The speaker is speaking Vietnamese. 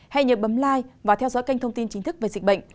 hãy nhớ bấm like và theo dõi kênh thông tin chính thức về dịch bệnh